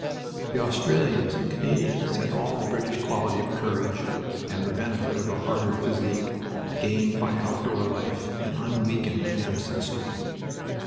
The Australians and Canadians had all the British quality of courage and the benefit of a harder physique, gained by outdoor life and unweakened ancestry.